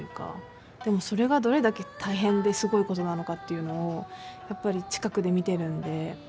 でもそれがどれだけ大変ですごいことなのかっていうのをやっぱり近くで見てるんで。